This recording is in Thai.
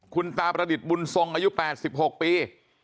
คุณตาประดิษฐ์บุญทรงอายุ๘๖ปี